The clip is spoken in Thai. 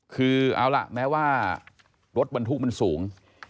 คือเอาล่ะแม้ว่ารถบรรทุกมันสูง